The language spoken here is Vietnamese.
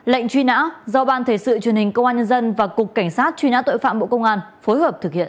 lệnh truy nã do ban thể sự truyền hình công an nhân dân và cục cảnh sát truy nã tội phạm bộ công an phối hợp thực hiện